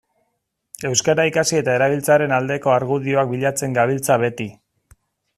Euskara ikasi eta erabiltzearen aldeko argudioak bilatzen gabiltza beti.